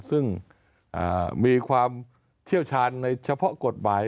ซึ่งมีความเชี่ยวชาญในเฉพาะกฎหมาย